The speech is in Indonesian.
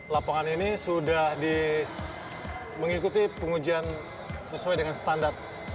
lapangan ini sudah mengikuti pengujian sesuai dengan standar